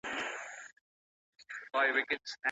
د عمر بن عبدالعزيز رحمه الله مذهب هم دغه وو.